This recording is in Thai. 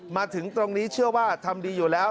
มาถึงตรงนี้เชื่อว่าทำดีอยู่แล้ว